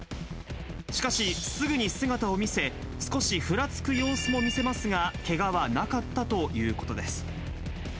しかし、すぐに姿を見せ、少しふらつく様子も見せますが、けがはなかったということです。